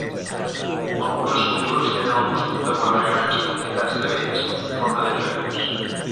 Algunes cultures tenen el costum de guardar grans quantitats de béns en forma de joies.